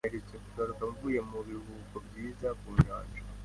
Mperutse kugaruka mvuye mu biruhuko byiza ku nyanja.